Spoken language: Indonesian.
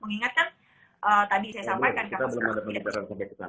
mengingatkan tadi saya sampaikan